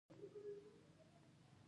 اخلاقي مسایلو ته پروا مخ په تتېدو ده.